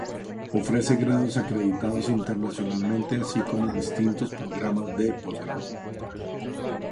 Ofrece grados acreditados internacionalmente así como distintos programas de postgrado.